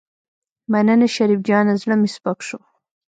مننه شريف جانه زړه مې سپک شو.